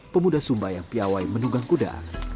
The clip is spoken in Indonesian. pemuda sumba yang piawai menunggang kuda